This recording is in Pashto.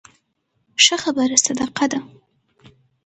ښه خبره صدقه ده